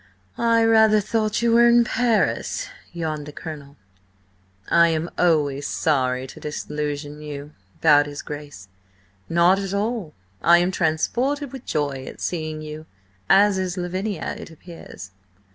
"I rather thought you were in Paris," yawned the colonel. "I am always sorry to disillusion you," bowed his Grace. "Not at all; I am transported with joy at seeing you. As is Lavinia, it appears."